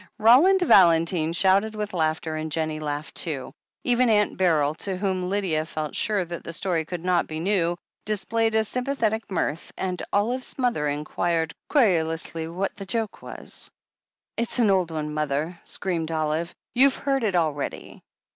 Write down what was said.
Roland Valentine shouted with laughter, and Jennie laughed too. Even Aunt Beryl, to whom Lydia felt sure that the story could not be new, displayed a sym pathetic mirth, and Olive's mother inquired querulously what the joke was? "It's an old one, mother," screamed Olive. "You've heard it already."